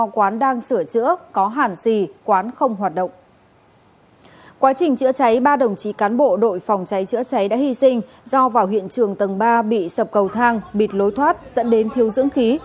quá trình chữa cháy ba đồng chí cán bộ đội phòng cháy chữa cháy đã hy sinh do vào hiện trường tầng ba bị sập cầu thang bịt lối thoát dẫn đến thiếu dưỡng khí